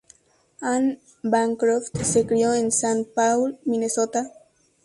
Ann Bancroft se crio en Saint Paul, Minnesota.